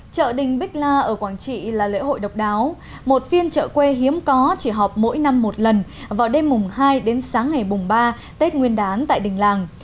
chợ đình bích la ở quảng trị là lễ hội độc đáo một phiên chợ quê hiếm có chỉ họp mỗi năm một lần vào đêm mùng hai đến sáng ngày mùng ba tết nguyên đán tại đỉnh làng